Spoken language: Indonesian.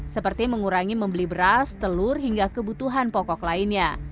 seperti mengurangi membeli beras telur hingga kebutuhan pokok lainnya